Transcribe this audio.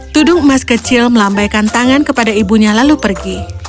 tudung emas kecil melambaikan tangan kepada ibunya lalu pergi